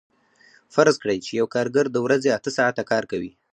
فرض کړئ چې یو کارګر د ورځې اته ساعته کار کوي